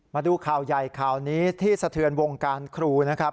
มาดูข่าวใหญ่ข่าวนี้ที่สะเทือนวงการครูนะครับ